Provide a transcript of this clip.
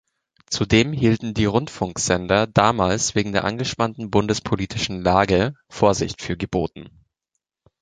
Zudem hielten die Rundfunksender damals wegen der angespannten bundespolitischen Lage Vorsicht für geboten.